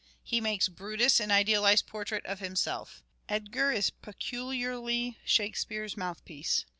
He makes " Brutus an idealized portrait of himself." " Edgar is peculiarly Shakespeare's mouthpiece."